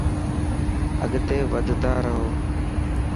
اڳتي وڌندا رهو.